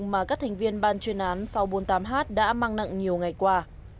mà các thành viên ban chuyên án sáu trăm bốn mươi tám h đã mang nặng nhiều ngày qua